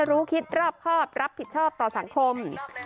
รอบครอบรับผิดชอบต่อสังคม